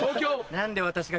何で私が！